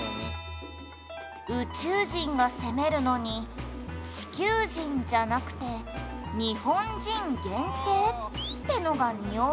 「宇宙人が攻めるのに地球人じゃなくて日本人限定ってのがにおうわね」